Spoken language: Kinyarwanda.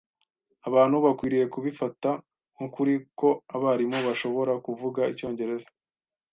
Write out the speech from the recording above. Abantu bakwiriye kubifata nk'ukuri ko abarimu bashobora kuvuga icyongereza.